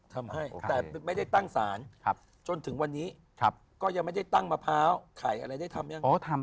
ทำให้แต่ไม่ได้ตั้งสารจนถึงวันนี้ก็ยังไม่ได้ตั้งมะพร้าวไข่อะไรได้ทำยัง